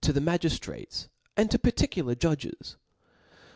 the magiftrates, and to particular judges.